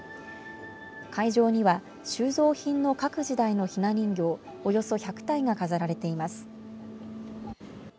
会場には収蔵品の各時代のひな人形およそ１００体が飾られています。